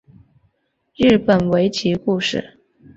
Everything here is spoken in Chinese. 日本围棋故事